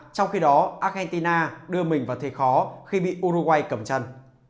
trong khi đó argentina đưa mình vào thế khó khi bị uruguay cầm chân